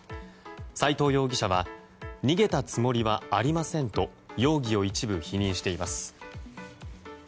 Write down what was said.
斉藤容疑者は逃げたつもりはありませんと容疑を一部否認しています。